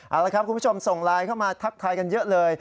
เอาละครับคุณผู้ชมส่งไลน์เข้ามาทักทายกันเยอะเลย